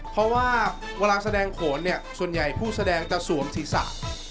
เพราะว่าเวลาแสดงโขนเนี่ยส่วนใหญ่ผู้แสดงจะสวมศีรษะ